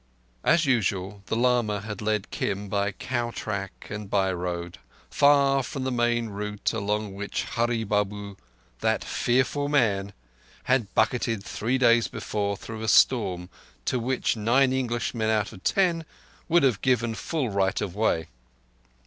As usual, the lama had led Kim by cow track and by road, far from the main route along which Hurree Babu, that "fearful man", had bucketed three days before through a storm to which nine Englishmen out of ten would have given full right of way.